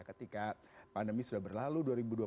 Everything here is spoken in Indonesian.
ketika pandemi sudah berlalu dua ribu dua puluh